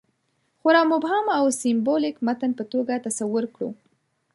خورا مبهم او سېمبولیک متن په توګه تصور کړو.